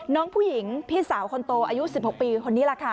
น้องผู้หญิงพี่สาวคนโตอายุ๑๖ปีคนนี้แหละค่ะ